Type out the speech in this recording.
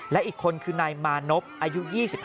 และอีกคนคือนายมานพอายุ๒๕